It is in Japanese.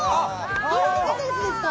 あれで出たやつですか！